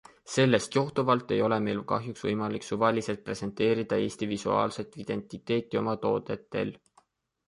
Sellest johtuvalt ei ole meil kahjuks võimalik suvaliselt presenteerida Eesti visuaalset identiteeti oma toodetel.